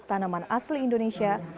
tanaman asli indonesia